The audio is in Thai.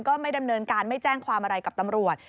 ไม่ดำเนินการไม่แจ้งความอะไรกับตำรวจ